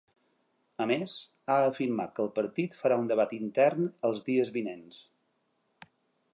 A més, ha afirmat que el partit farà un debat intern els dies vinents.